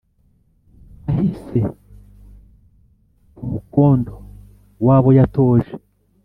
Ahise ku mukondo w'abo yatoje